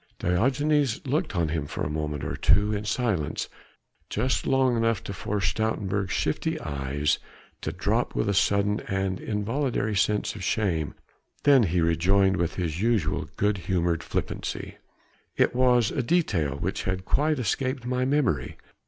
Diogenes looked on him for a moment or two in silence, just long enough to force Stoutenburg's shifty eyes to drop with a sudden and involuntary sense of shame, then he rejoined with his usual good humoured flippancy: "It was a detail which had quite escaped my memory.